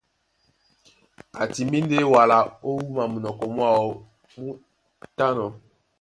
A timbí ndé wala wúma munɔkɔ mwáō mú tánɔ̄.